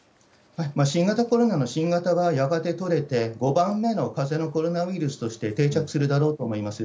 新型コロナの新型はやがて取れて、５番目のかぜのコロナウイルスとして定着するだろうと思います。